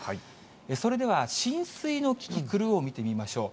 それでは、浸水のキキクルを見てみましょう。